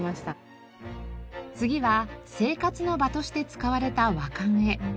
次は生活の場として使われた和館へ。